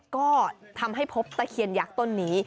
ก็ทำให้พบตะเคียนยักษ์ต้นนี้